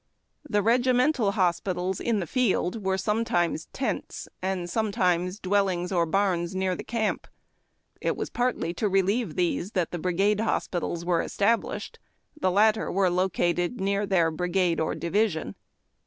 TJie regimental hospitals in the field were sometimes tents, and sometimes dwellings or barns near camp. It was partly to relieve these that brigade hospitals were established. The latter were located near their brigade ""or division.